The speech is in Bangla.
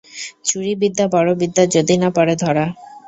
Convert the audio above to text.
চুরি বিদ্যা বড় বিদ্যা যদি না পড়ে ধরা।